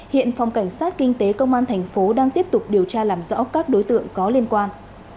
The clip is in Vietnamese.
hiện phòng cảnh sát kinh tế công an thành phố đang tiếp tục điều tra làm rõ các đối tượng có liên quan